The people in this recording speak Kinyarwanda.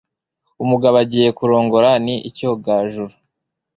Umugabo agiye kurongora ni icyogajuru.